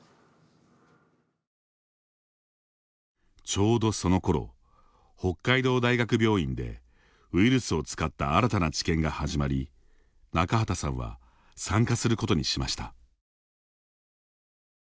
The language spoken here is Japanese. ちょうどそのころ北海道大学病院でウイルスを使った新たな治験が始まり中畠さんは参加することにしました。